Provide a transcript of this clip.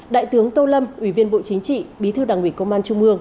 đại tướng tô lâm ủy viên bộ chính trị bí thư đảng ủy công an trung ương